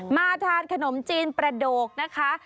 มาทานขนมจีนประโดกนะคะ